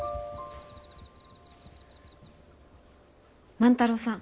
万太郎さん。